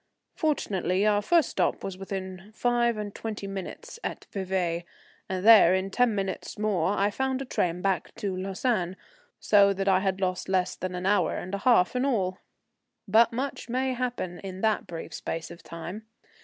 Fortunately our first stop was within five and twenty minutes, at Vevey; and there in ten minutes more I found a train back to Lausanne, so that I had lost less than an hour and a half in all. But much may happen in that brief space of time.